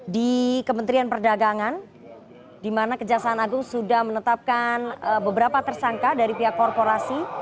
di kementerian perdagangan di mana kejaksaan agung sudah menetapkan beberapa tersangka dari pihak korporasi